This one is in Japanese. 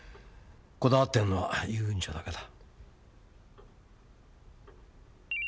こだわってんのは遊軍長だけだ。